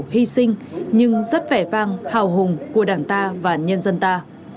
hy sinh nhưng rất vẻ vang hào hùng của đảng ta và nhân dân ta